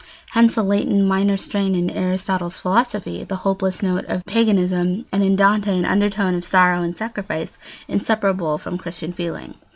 Hence, a latent minor strain in Aristotle's philosophy, the hopeless note of paganism, and in Dante an undertone of sorrow and sacrifice, inseparable from Christian feeling.